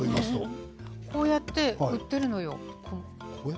こうやって売っているの。